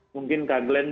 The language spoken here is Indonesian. mungkin kak glenn